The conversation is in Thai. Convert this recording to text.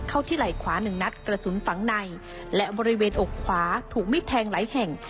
เข้าที่ไหล่ขวาหนึ่งนัดกระสุนฝังในและบริเวณอกขวาถูกมิดแทงหลายแห่ง